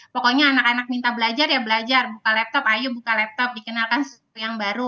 pokoknya anak anak minta belajar ya belajar buka laptop ayo buka laptop dikenalkan sesuatu yang baru